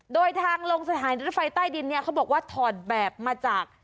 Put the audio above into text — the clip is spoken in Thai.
โดยทางลงสถานีรถไฟใต้ดินเนี่ยเขาบอกว่าถอดแบบมาจาก